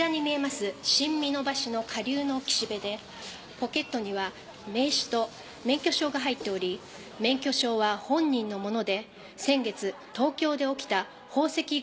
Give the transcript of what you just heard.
新美濃橋の下流の岸辺でポケットには名刺と免許証が入っており免許証は本人のもので先月東京で起きた宝石強盗事件の被害者